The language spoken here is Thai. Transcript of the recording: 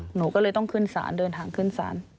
หนูก็เลยต้องขึ้นศาลเดินทางขึ้นศาล